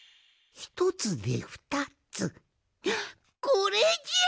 これじゃ！